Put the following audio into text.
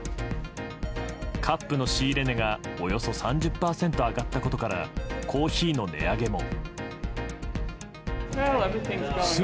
カップの仕入れ値がおよそ３０％上がったことからコーヒーの値上げも。